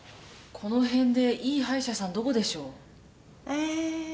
この辺でいい歯医者さんどこでしょう？え。